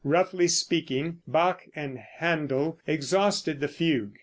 Roughly speaking, Bach and Händel exhausted the fugue.